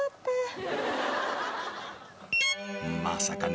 まさかね